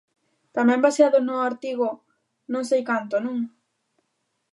¿Tamén baseado no artigo non sei canto, non?